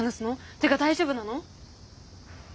ていうか大丈夫なの？